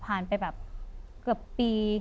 ผ่านไปแบบเกือบปี